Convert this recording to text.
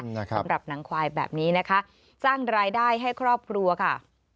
สำหรับหนังควายแบบนี้นะคะสร้างรายได้ให้ครอบครัวค่ะ